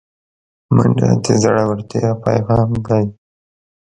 منډه د زړورتیا پیغام دی